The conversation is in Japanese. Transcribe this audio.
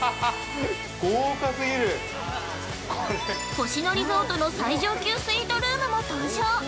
◆星野リゾートの最上級スイートルームも登場。